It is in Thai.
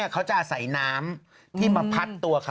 เขาจะอาศัยน้ำที่มาพัดตัวเขา